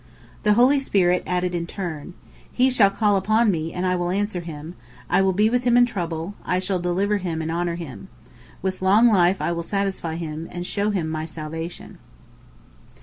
The holy spirit added in turn: "He shall call upon me, and I will answer him; I will be with him in trouble; I will deliver him, and honor him. With long life will I satisfy him, and show him my salvation."